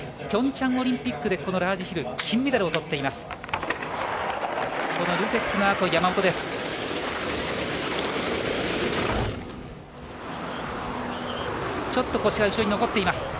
平昌オリンピックでラージヒル金メダルをとっています。